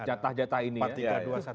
jatah jatah ini ya